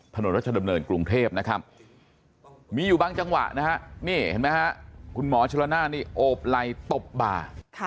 ถนนรัชดำเนินกรุงเทพมีอยู่บ้างจังหวะนี่เห็นไหมคุณหมอชะละนั่นโอบไล่ตบบ่า